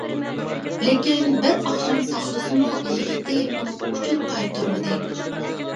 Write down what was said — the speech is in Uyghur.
لېكىن بىر ئاخشام ساقلىسىمۇ يىگىتى ئۇنىڭغا ئۇچۇر قايتۇرمىدى.